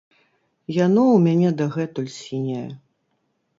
Яно ў мяне дагэтуль сіняе.